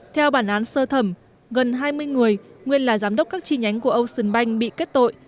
theo bản án sơ thẩm gần hai mươi người nguyên là giám đốc các chi nhánh của ocean bank bị kết tội